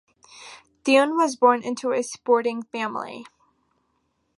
Theune was born into a sporting family.